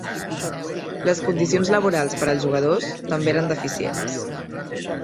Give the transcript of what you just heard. Les condicions laborals per als jugadors també eren deficients.